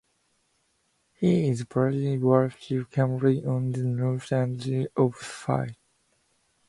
He is buried in Warriston Cemetery on the north side of the city.